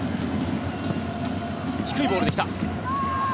低いボールで来た。